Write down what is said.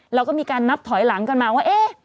เราก็มีการนับถอยหลังกันมาว่าเอ๊ะ